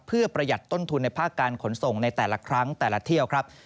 เพื่อประหยัดต้นทุนในภาคการขนส่งในแต่ละครั้งแต่ละเที่ยวครับ